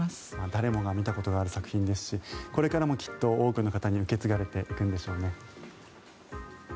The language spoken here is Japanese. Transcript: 誰もが見たことがある作品ですしこれからもきっと多くの方に受け継がれていくんでしょうね。